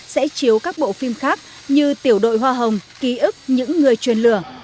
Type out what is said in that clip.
sẽ chiếu các bộ phim khác như tiểu đội hoa hồng ký ức những người truyền lửa